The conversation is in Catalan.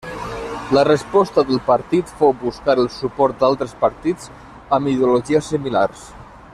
La resposta del partit fou buscar el suport d'altres partits amb ideologia similars.